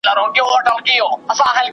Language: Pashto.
شاهده بیا د دماکي ویره ده